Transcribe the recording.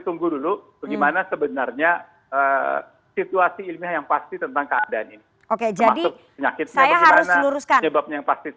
tunggu dulu bagaimana sebenarnya situasi ilmiah yang pasti tentang keadaan ini oke jadi saya harus